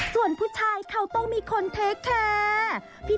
ส่วนผู้ชายเขาต้องมีคนเทคแคร์